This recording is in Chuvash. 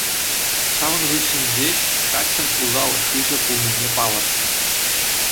Ҫавӑн хыҫҫӑн ҫеҫ каччӑн усал шыҫӑ пулнине палӑртнӑ.